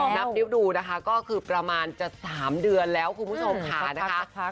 นับนิ้วดูนะคะก็คือประมาณจะ๓เดือนแล้วคุณผู้ชมค่ะนะคะ